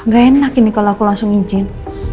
gak enak ini kalau aku langsung izin